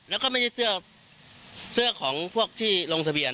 แล้วก็ไม่ใช่เสื้อของพวกที่ลงทะเบียน